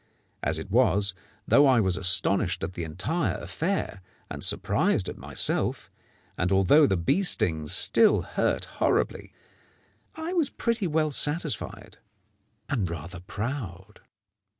As it was, though I was astonished at the entire affair and surprised at myself, and although the bee stings still hurt horribly, I was pretty well satisfied and rather proud.